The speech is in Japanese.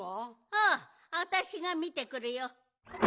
・ああわたしがみてくるよ。